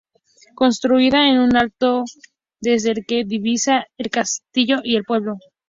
Construida en un alto desde el que se divisa el castillo y el pueblo.